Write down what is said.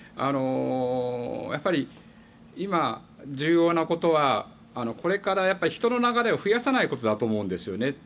やっぱり今、重要なことはこれから人の流れを増やさないことだと思うんですね。